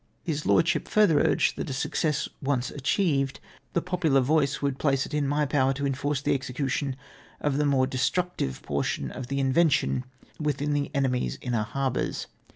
His lordship further urged that a success once achieved, the popular voice would place it in my power to enforce the execution of the more destructive portion of _ the invention within the enemy's inner harbours.